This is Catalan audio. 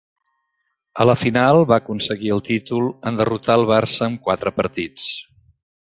A la final va aconseguir el títol en derrotar el Barça en quatre partits.